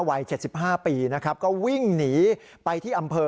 วัย๗๕ปีนะครับก็วิ่งหนีไปที่อำเภอ